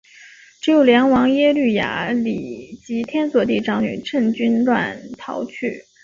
只有梁王耶律雅里及天祚帝长女乘军乱逃去。